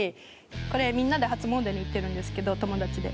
これみんなで初詣に行ってるんですけど友達で。